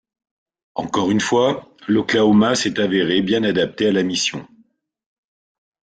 Encore une fois, l’Oklahoma s’est avéré bien adapté à la mission.